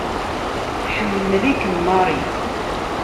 Tḥemmel-ikem Mary.